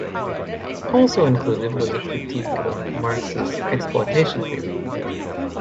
Also included was a critique of Marx's exploitation theory.